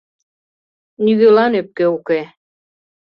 — Нигӧлан ӧпке уке.